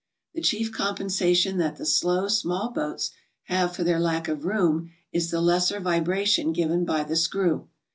The chief compensation that the slow, small boats have for their lack of room is the lesser vibration given by the screw.